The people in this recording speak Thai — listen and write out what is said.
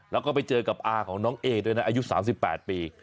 แล้วก็ไปเจอกับอาของน้องเอด้วยนะอายุ๓๘ปี